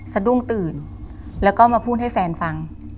สะดุ้งตื่นแล้วก็มาพูดให้แฟนฟัง